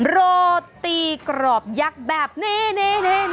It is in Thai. โรตีกรอบยักษ์แบบนี้